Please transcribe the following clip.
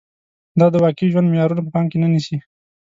دا د واقعي ژوند معيارونه په پام کې نه نیسي